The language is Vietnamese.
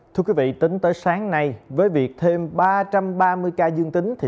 thưa quý vị tính tới sáng nay với việc thêm ba trăm ba mươi ca dương tính